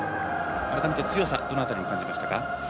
改めて強さどの辺りに感じましたか。